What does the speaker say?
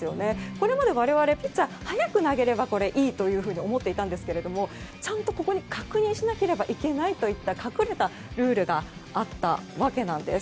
これまで我々はピッチャーは早く投げればいいというふうに思っていたんですがちゃんと確認しなければいけないといった隠れたルールがあったわけなんです。